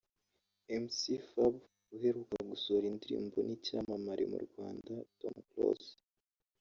Mc Fab uheruka gusohora indirimbo n’icyamamare mu Rwanda Tom Close